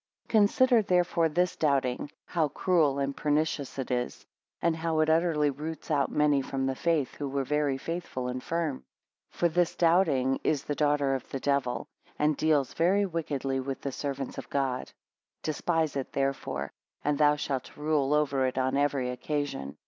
8 Consider therefore this doubting how cruel and pernicious it is; and how it utterly roots out many from the faith, who were very faithful and firm. For this doubting is the daughter of the Devil, and deals very wickedly with the servants of God. 9 Despise it therefore, and thou shalt rule over it on every occasion.